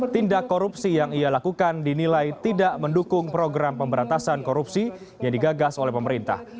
tindak korupsi yang ia lakukan dinilai tidak mendukung program pemberantasan korupsi yang digagas oleh pemerintah